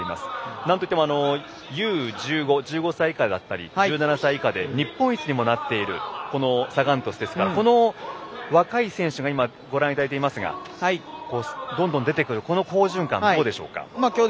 なんといっても、Ｕ‐１５１５歳以下だったり１７歳以下で日本一にもなっているサガン鳥栖ですがこの若い選手がご覧いただいていますがどんどん出てくる好循環、どうでしょうか。